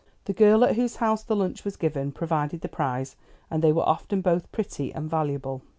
The girl at whose house the lunch was given provided the prize, and they were often both pretty and valuable.